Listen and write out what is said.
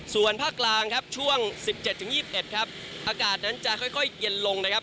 ส่วนภาคกลางครับช่วงสิบเจ็ดถึงยี่สิบเอ็ดครับอากาศนั้นจะค่อยค่อยเย็นลงนะครับ